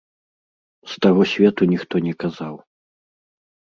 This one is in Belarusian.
З таго свету ніхто не казаў.